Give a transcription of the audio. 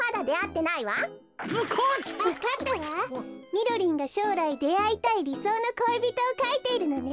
みろりんがしょうらいであいたいりそうの恋人をかいているのね。